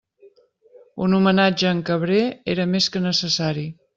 Un homenatge a en Cabré era més que necessari.